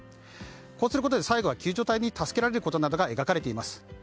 こうすることで最後は救助隊に助け出されることなどが描かれています。